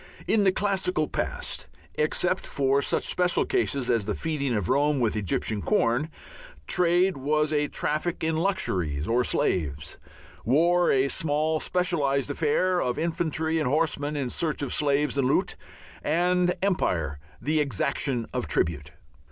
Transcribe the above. In the classical past except for such special cases as the feeding of Rome with Egyptian corn trade was a traffic in luxuries or slaves, war a small specialized affair of infantry and horsemen in search of slaves and loot, and empire the exaction of tribute.